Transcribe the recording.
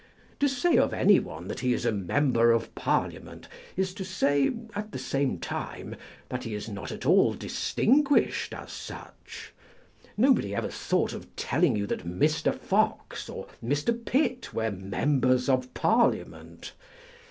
To say of any one that he is a Member of Parliament, is to say, at the same time, that he is not at all distinguished as such. Nobody ever thought of telling you that Mr. Fox or Mr. Pitt were Members of Parliament.